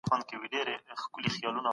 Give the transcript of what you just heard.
مجاهدین د باطل کلاګاني نړوی.